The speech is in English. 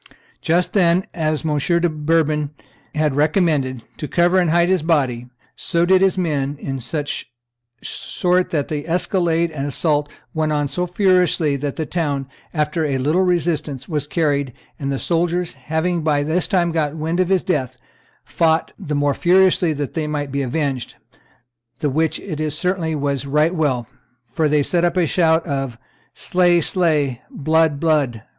... Just then, as M. de Bourbon had recommended, to cover and hide his body, so did his men; in such sort that the escalade and assault went on so furiously that the town, after a little resistance, was carried; and the soldiers, having by this time got wind of his death, fought the more furiously that it might be avenged, the which it certainly was right well, for they set up a shout of, 'Slay, slay! blood, blood!